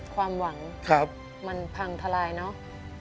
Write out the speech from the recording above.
ความหวังมันพังทลายเนาะ